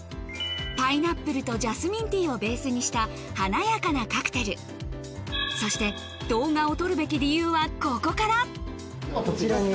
パイナップルとジャスミンティーをベースにした華やかなカクテルそしてここからこちらに。